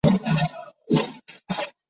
该建筑现时以旅馆形式运作。